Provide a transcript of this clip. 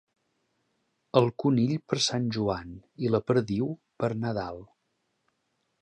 El conill, per Sant Joan, i la perdiu, per Nadal.